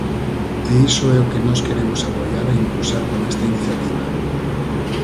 E iso é o que nós queremos apoiar e impulsar con esta iniciativa.